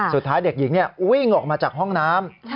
สุดท้ายเด็กหญิงวิ่งออกมาจากห้องน้ำ